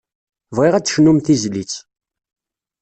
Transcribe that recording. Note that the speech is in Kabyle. Bɣiɣ ad d-tecnum tizlit.